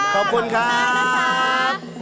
ขอบคุณมากนะคะ